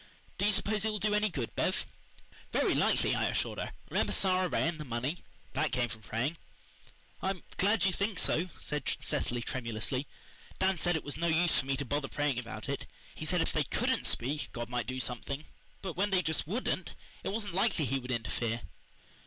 "Do you suppose it will do any good, Bev?" "Very likely," I assured her. "Remember Sara Ray and the money. That came from praying." "I'm glad you think so," said Cecily tremulously. "Dan said it was no use for me to bother praying about it. He said if they COULDN'T speak God might do something, but when they just WOULDN'T it wasn't likely He would interfere.